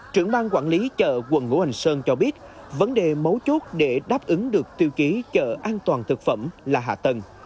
trưởng bang quản lý chợ quần ngũ hành sơn cho biết vấn đề mấu chốt để đáp ứng được tiêu chí chợ an toàn thực phẩm là hạ tầng